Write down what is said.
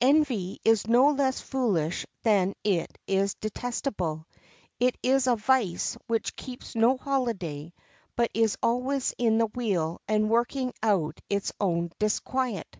Envy is no less foolish than it is detestable. It is a vice which keeps no holiday, but is always in the wheel and working out its own disquiet.